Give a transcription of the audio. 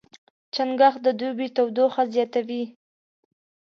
چنګاښ د دوبي تودوخه زیاتوي.